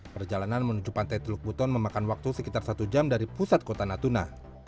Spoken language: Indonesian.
perjalanan menuju pantai teluk buton memakan waktu sekitar satu jam dari pusat kota natuna